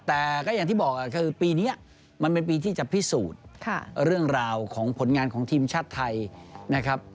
แต่ก็อย่างที่บอกคือปีนี้มันเป็นปีที่จะพิสูจน์เรื่องราวของผลงานของทีมชาติไทยนะครับ